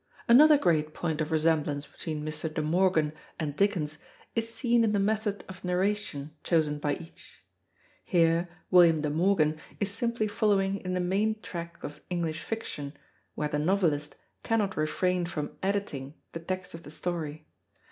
Another great point of resemblance between Mr. De Morgan and Dickens is seen in the method of narration chosen by each. Here William De Morgan is simply following in the main track of English fiction, where the novelist cannot refrain from editing the text of the story.